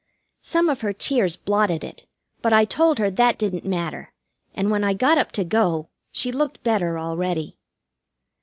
Some of her tears blotted it, but I told her that didn't matter, and when I got up to go she looked better already.